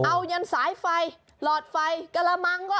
เอายันสายไฟหลอดไฟกระมังก็